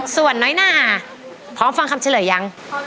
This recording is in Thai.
ส่วนน้อยนาพร้อมฟังคำเฉลยยัง